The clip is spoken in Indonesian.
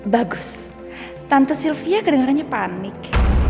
bagus tante sylvia kedengarannya panik